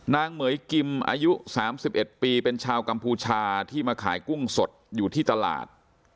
เหมือยกิมอายุ๓๑ปีเป็นชาวกัมพูชาที่มาขายกุ้งสดอยู่ที่ตลาด